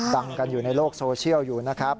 ดังกันอยู่ในโลกโซเชียลอยู่นะครับ